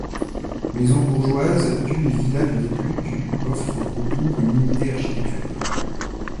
Maisons bourgeoises du et villas du début du offrent au bourg une unité architecturale.